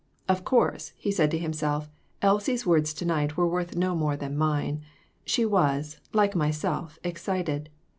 "Of course," he said to himself, "Elsie's words to night were worth no more than mine. She was, like myself, excited.